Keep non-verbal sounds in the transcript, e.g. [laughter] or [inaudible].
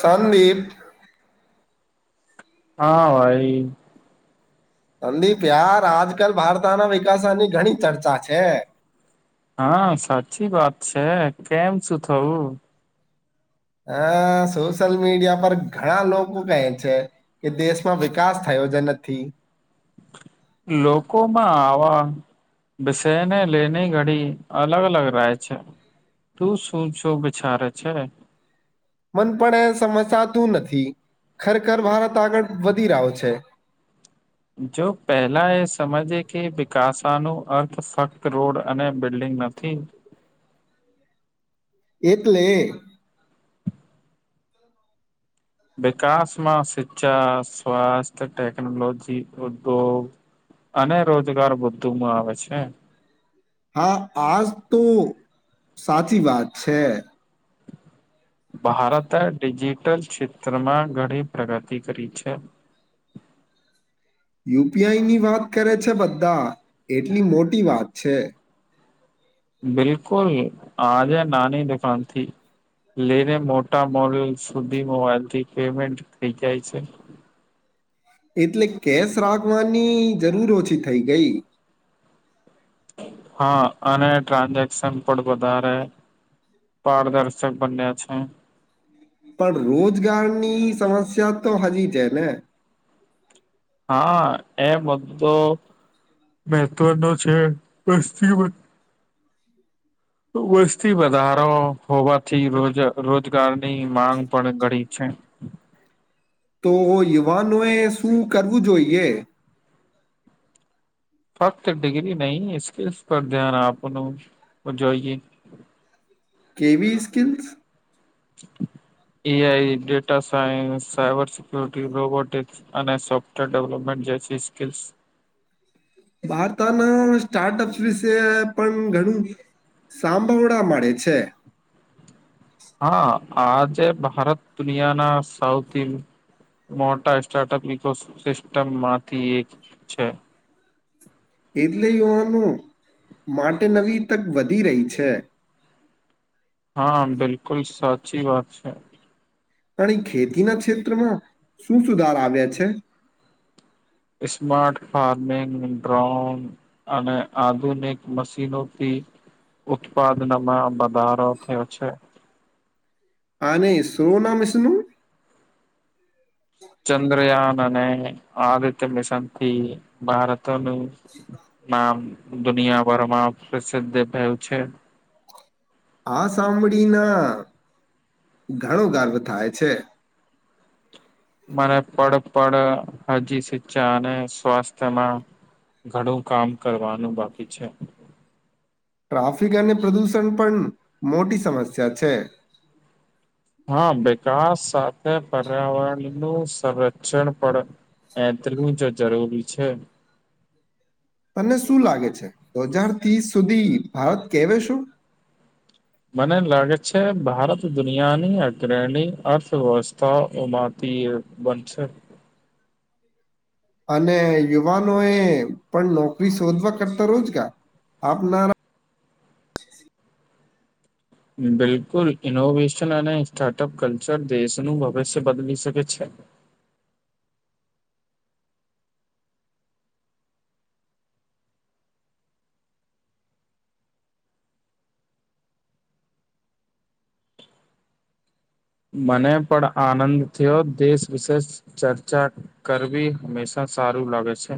સંંદીપ. હા, ભાઈ. સંદીપ યાર આજકાલ ભારતાના વિકાસની ઘણી ચર્ચા છે. હા, સાચી વાત છે. કેમ છું થવું? હ, સોશિયલ મીડિયા પર ઘણા લોકો કે છે. કે દેશમાં વિકાસ થયો જે નથી. લોકો માં આવા બસેને લેની ઘડી અલગ અલગ રાય છે. તું શું છો? વિચારેે છે. મન પણ એ સમજતું નથી, ખરેખર ભારત આગળ વધી રહ્યો છે. જો પહેલા એ સમજે કે, વિકાસ નો અર્થ ફક્ત રોડ અને બિલ્ડિંગ નથી. એટલે વિકાસમાં શિક્ષા, સ્વાસ્થ્ય, ટેકનોલોજી, ઉદ્યોગ. અને રોજગાર બધું માં આવે છે. હા, આ જ તો સાચી વાત છે‌. ભારતે ડિજિટલ ક્ષેત્રમાં ઘણી પ્રગતિ કરી છે. યુ. પી. આઈ ની વાત કરે છે, બધા એટલી મોટી વાત છે. બિલકુલ, આજે નાની દુકાનથી લઈને, મોટા મોડલ સુધી મોબાઈલથી પેમેન્ટ થઈ જાય છે. એટલે કેશ રાખવાની જરૂર ઓછી થઈ ગઈ. હા, અને ટ્રાન્ઝેક્શન પણ વધારે. પારદર્શક બન્યા છે. પણ રોજગારની સમસ્યા તો હજી જ ને. હા, એ બધો મહત્વ નું છે, વસ્તી. વસ્તી વધારો હોવાથી, રોજ રોજગારની માંગ પણ ઘડી છે. તો યુવાનોએ શું કરવું જોઈએ? ફક્ત ડિગ્રી નહીં, સ્કિલ્સ પર ધ્યાન આપનું જોઈએ. કેવી skills? A. I, data science, cyber security, robotics. અને સોફ્ટવેર ડેવલપમેન્ટ જે છે, સ્કિલ્સ. વારતાના સ્ટાર્ટઅપ્સ વિશે પણ ઘણું. સાંભરવા મળે છે. હા, આજે ભારત દુનિયાના સૌથી મોટા સ્ટાર્ટઅપ ઇકો સિસ્ટમ માંથી એક છે. એટલે યુવાનો માટે નવી તક વધી રહી છે. હા બિલકુલ સાચી વાત છે. તણી ખેતીના ક્ષેત્રમાં શું સુધાર આવ્યા છે? સ્માાર્ટ ફાર્મિંગ ડ્રોન અને આધુનિક મશીનોથી ઉત્પાદનમાં વધારો થયો છે. આને [unintelligible] ચંદ્રયાન અને આ રીતે બેસનતી ભારતનું નામ દુનિયાભરમાં પ્રસિદ્ધ થયું છે. આ સાંભળી ના ઘણો ગર્વ થાય છે. મને પડપડ હજી શિક્ષા અને સ્વાસ્થ્યમાં ઘણું કામ કરવાનું બાકી છે. ટ્રાફિક અને પ્રદૂષણ પણ મોટી સમસ્યા છે. હા વિકાસ સાથે પર્યાવરણ નું સંરક્ષણ પણ એટલું જ જરૂરી છે. તને શું લાગે છે, હજાર ત્રીસ સુધી ભારત કેવા શું? મને લાગે છે, ભારત દુનિયાની અગ્રણી અર્થવ્યવસ્થાઓમાં તી બનશે અને યુવાનો એ પણ નોકરી શોધવા કરતા રોજકા આપનારા બિલકુલ ઇનોવેશન અને સ્ટાર્ટઅપ કલ્ચર દેશનું ભવિષ્ય બદલી શકે છે. મને પણ આનંદ થયો દેશ વિશેષ ચર્ચા કરવી હંમેશા સારું લાગે છે.